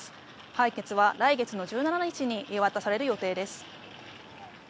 判決は来月の１７日に言い渡される予定です。